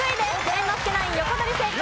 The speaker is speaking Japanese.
猿之助ナイン横取り成功。